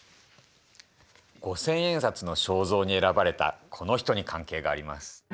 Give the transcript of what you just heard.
五千円札の肖像に選ばれたこの人に関係があります。